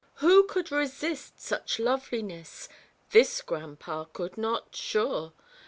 Who could resist such loveliness? This grandpa could not, sure.